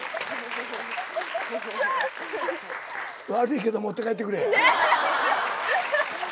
悪いけど持って帰ってくれ。